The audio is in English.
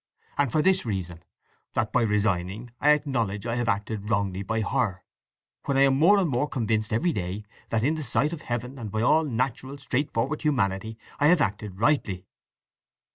And for this reason; that by resigning I acknowledge I have acted wrongly by her; when I am more and more convinced every day that in the sight of Heaven and by all natural, straightforward humanity, I have acted rightly."